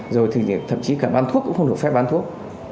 rồi thì thậm chí cả bán thuốc cũng không được phép bán thuốc